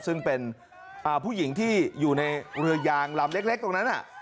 ซึ่งเป็นผู้หญิงที่อยู่ในเรือยางลำเล็กตรงนั้น